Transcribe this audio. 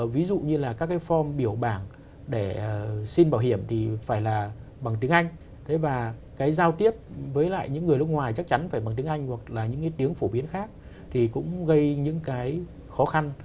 ví dụ như là các cái form biểu bảng để xin bảo hiểm thì phải là bằng tiếng anh và cái giao tiếp với lại những người nước ngoài chắc chắn phải bằng tiếng anh hoặc là những cái tiếng phổ biến khác thì cũng gây những cái khó khăn